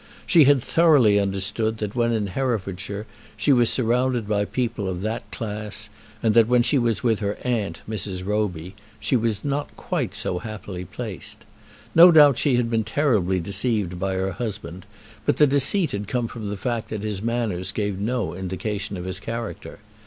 She had thoroughly understood that when in Herefordshire she was surrounded by people of that class, and that when she was with her aunt, Mrs. Roby, she was not quite so happily placed. No doubt she had been terribly deceived by her husband, but the deceit had come from the fact that his manners gave no indication of his character.